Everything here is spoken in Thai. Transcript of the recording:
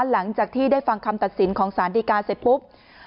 หลังจากที่ได้ฟังคำตัดสินของสารดีกาเสร็จปุ๊บ